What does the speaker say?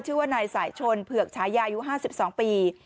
ชื่อว่านายสายชนเผือกฉายายุ๕๒ปี